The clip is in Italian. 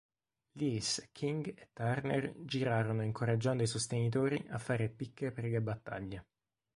Lees, King e Turner girarono incoraggiando i sostenitori a fare picche per le battaglie.